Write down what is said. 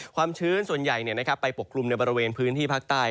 ความชื้นส่วนใหญ่ไปปกคลุมในบริเวณพื้นที่ภาคใต้